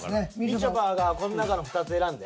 みちょぱがこの中の２つ選んで。